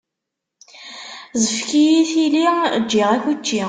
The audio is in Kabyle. Ẓefk-iyi tili, ǧǧiɣ-ak učči!